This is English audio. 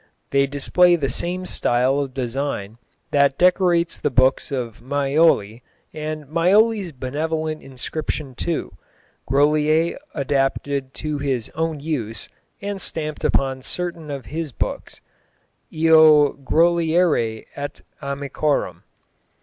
They display the same style of design that decorates the books of Maioli, and Maioli's benevolent inscription too, Grolier adapted to his own use, and stamped upon certain of his books IO. GROLIERII ET AMICORVM.